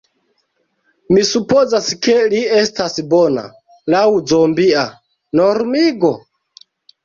Mi supozas ke li estas bona, laŭ zombia... normigo?